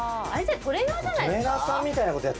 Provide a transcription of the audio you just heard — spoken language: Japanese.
トレーナーじゃないですか？